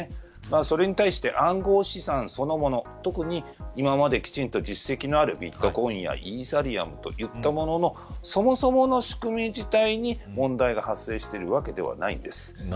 それに対して暗号資産そのもの特に今まできちんと実績のあるビットコインやイーサリウムといったもののそもそもの仕組み自体に問題が発生しているわけではないんです。